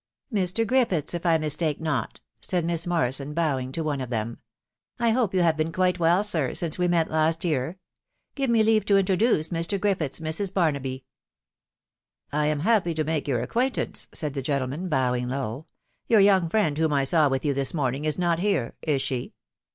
" Mr. Griffiths, if I mistake not," said Miss Morrison, bow ing to one of them ; "I hope you have been quite well, tii, since we met last year. ... Give me leave to introduce Ml Griffiths, Mrs. Barnaby." " 1 am happy to make your acquaintance," said the gentle man, bowing low. " Your young friend whom I saw with you this morning is not here .... is she